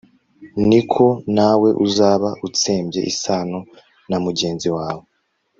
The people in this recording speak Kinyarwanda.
ni ko nawe uzaba utsembye isano na mugenzi wawe